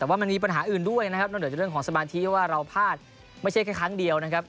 แต่ว่ามันมีปัญหาอื่นด้วยนะครับนอกเหนือจากเรื่องของสมาธิเพราะว่าเราพลาดไม่ใช่แค่ครั้งเดียวนะครับ